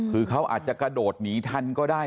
คือเขาอาจจะกระโดดหนีทันก็ได้